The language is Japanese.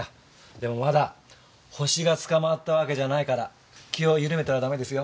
でもまだホシが捕まったわけじゃないから気を緩めたらダメですよ。